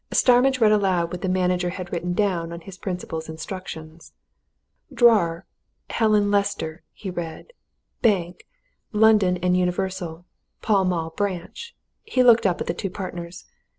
Starmidge read aloud what the manager had written down on his principal's instructions. "Drawer Helen Lester," he read. "Bank London & Universal: Pall Mall Branch." He looked up at the two partners.